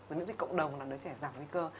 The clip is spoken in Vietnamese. miễn dịch cộng đồng là đứa trẻ giảm nguy cơ